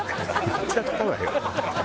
言っちゃったわよ。